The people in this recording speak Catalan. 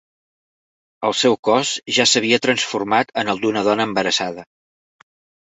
El seu cos ja s'havia transformat en el d'una dona embarassada.